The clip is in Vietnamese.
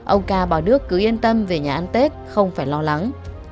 ông ca bảo đước cứ yên tâm về nhà ăn tết không phải lo lắng